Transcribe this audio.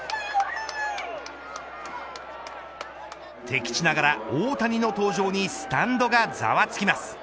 敵地ながら大谷の登場にスタンドがざわつきます。